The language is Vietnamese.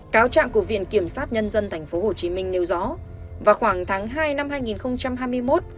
cáo trạng của viện kiểm sát nhân dân thành phố hồ chí minh nêu rõ vào khoảng tháng hai năm hai nghìn hai mươi một